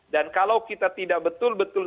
dan kalau kita tidak betul betul